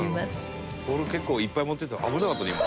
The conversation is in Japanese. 「ボール結構いっぱい持って危なかったね今」